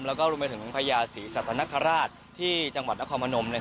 และก็รวมไปถึงพญาศิสตนธรรทที่จังหวัดนครมนมนะครับ